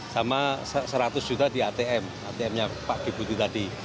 sama seratus juta di atm atm nya pak deputi tadi